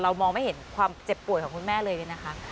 มองไม่เห็นความเจ็บป่วยของคุณแม่เลยเนี่ยนะคะ